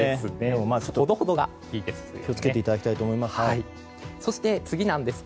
ほどほどがいいですね。